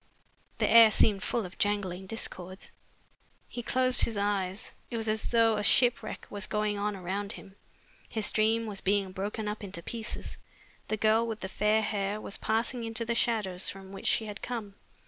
The air seemed full of jangling discords. He closed his eyes. It was as though a shipwreck was going on around him. His dream was being broken up into pieces. The girl with the fair hair was passing into the shadows from which she had come.